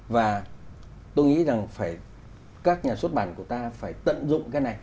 và tôi nghĩ rằng các nhà xuất bản của ta phải tận dụng cái này